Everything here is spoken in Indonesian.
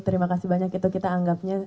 terima kasih banyak itu kita anggapnya